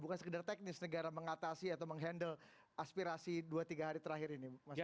bukan sekedar teknis negara mengatasi atau menghandle aspirasi dua tiga hari terakhir ini